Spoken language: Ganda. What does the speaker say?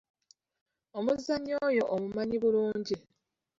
Omuzannyi oyo omumanyi bulungi?